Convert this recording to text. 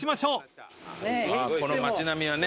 この街並みはね。